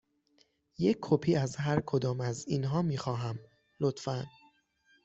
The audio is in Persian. یک کپی از هر کدام از اینها می خواهم، لطفاً.